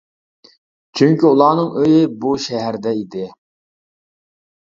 چۈنكى ئۇلارنىڭ ئۆيى بۇ شەھەردە ئىدى.